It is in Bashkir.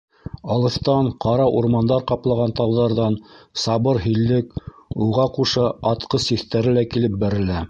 Алыҫтан, ҡара урмандар ҡаплаған тауҙарҙан, сабыр һиллек, уға ҡуша атҡыс еҫтәре лә килеп бәрелә.